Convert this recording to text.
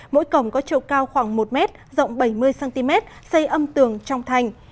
mỗi cổng có tru cao khoảng một m rộng bảy mươi cm xây âm tường trong thành